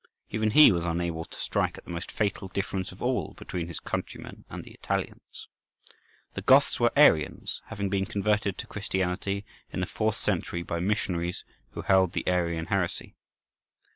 Even he was unable to strike at the most fatal difference of all between his countrymen and the Italians. The Goths were Arians, having been converted to Christianity in the fourth century by missionaries who held the Arian heresy.